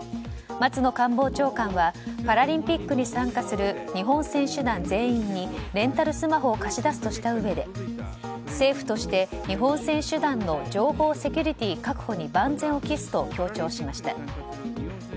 松野官房長官はパラリンピックに参加する日本選手団全員にレンタルスマホを貸し出すとしたうえで政府として、日本選手団の情報セキュリティー確保に万全を期すと強調しました。